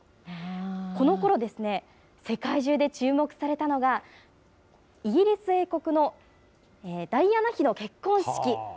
このころですね、世界中で注目されたのが、イギリス英国のダイアナ妃の結婚式。